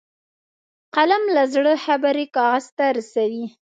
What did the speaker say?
قلم له زړه خبرې کاغذ ته رسوي